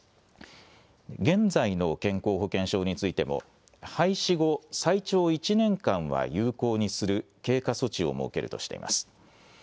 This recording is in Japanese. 現在の健康保険証についても、廃止後、最長１年間は有効にする経過措置を設けるとしています。